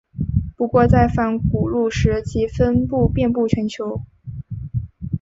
不过在泛古陆时其分布遍布全球。